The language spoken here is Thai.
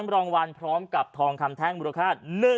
๑๐๐รางวัลพร้อมกับทองคำแท่งบุรุษภาษณ์